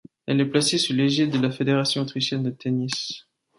Elle est placée sous l'égide de la Fédération autrichienne de tennis.